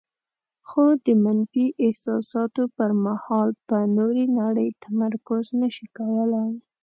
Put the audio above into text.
خو د منفي احساساتو پر مهال په نورې نړۍ تمرکز نشي کولای.